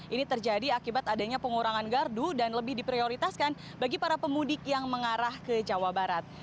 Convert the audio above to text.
ini terjadi akibat adanya pengurangan gardu dan lebih diprioritaskan bagi para pemudik yang mengarah ke jawa barat